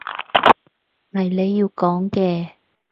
係你要講嘅